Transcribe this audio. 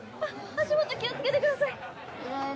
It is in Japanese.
足元気をつけてください